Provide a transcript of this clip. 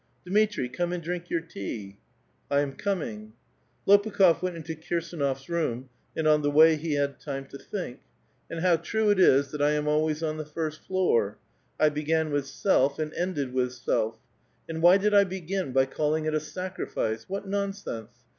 " Dmitri, come and drink vour tea !'*" I am coming." Lopukh6f went into KirsAuof's room, and on the way he had time to think: "And how true it is that I am always on the first floor ! I began with self and ended with self. And why did I begin by calling it a sacrifice? What non sense